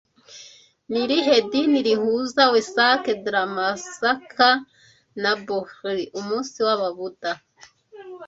Ni irihe dini rihuza Weasak, Dhrammacacka, na Bhodi umunsi w'Ababuda